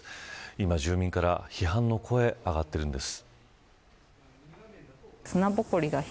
今、住民から批判の声が上がっているんです。